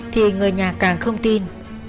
thì người nhà càng không tin